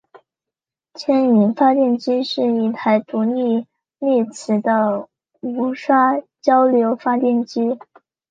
牵引发电机是一台独立励磁的无刷交流发电机。